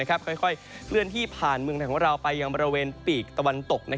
ค่อยเคลื่อนที่ผ่านเมืองถังวะราวไปอย่างบริเวณปีกตะวันตก